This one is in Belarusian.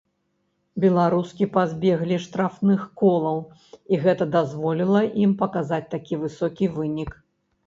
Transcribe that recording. Беларускі пазбеглі штрафных колаў і гэта дазволіла ім паказаць такі высокі вынік.